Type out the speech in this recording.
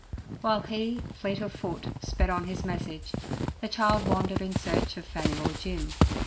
While he, fleet of foot, sped on his message, the child wandered in search of Fanny or Jim.